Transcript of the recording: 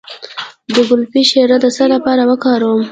د ګلپي شیره د څه لپاره وکاروم؟